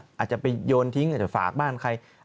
อาจจะไปโยนทิ้งอาจจะฝากบ้านใคร